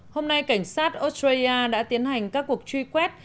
hôm nay cảnh sát australia đã tiến hành các cuộc truy quét